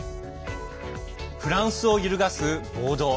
フランスを揺るがす暴動。